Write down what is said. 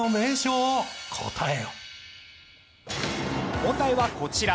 問題はこちら。